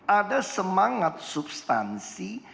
ada semangat substansi